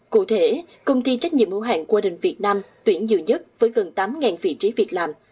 cụ thể công ty trách nhiệm hữu hàng qua đình việt nam tuyển dự nhất với gần tám vị trí việc làm